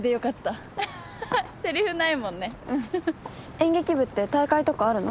演劇部って大会とかあるの？